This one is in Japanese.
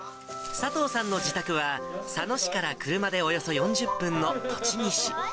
佐藤さんの自宅は、佐野市から車でおよそ４０分の栃木市。